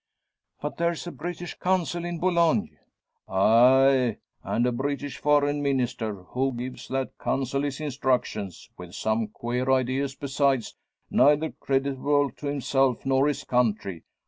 "But there's a British Consul in Boulogne." "Aye, and a British Foreign Minister, who gives that Consul his instructions; with some queer ideas besides, neither creditable to himself nor his country.